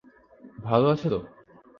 ভালো আছো তো?